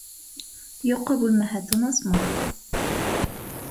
Йоҡо бүлмәһе тынысмы?